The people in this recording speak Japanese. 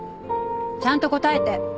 ちゃんと答えて。